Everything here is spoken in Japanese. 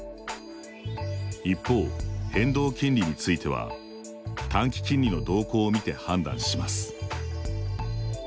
一方、変動金利については短期金利の動向をみて判断します。